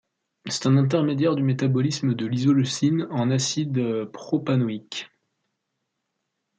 C'est un intermédiaire du métabolisme de l'isoleucine en acide propanoïque.